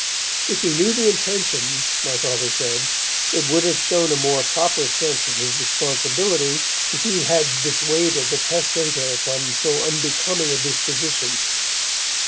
If he knew the intention, my Father said, it would have shown a more proper sense of his responsibility if he had dissuaded the testator from so unbecoming a disposition.